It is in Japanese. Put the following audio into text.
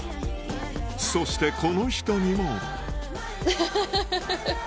そしてこの人にもハハハ。